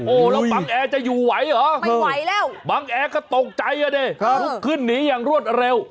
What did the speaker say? โอ้วแล้วบังแอร์จะอยู่ไหวเหรอบังแอร์ก็ตกใจเนี่ยนี่คุกขึ้นหนีอย่างรวดเร็ว